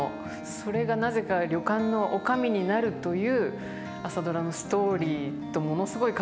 それがなぜか旅館の女将になるという「朝ドラ」のストーリーとものすごい重なりまして。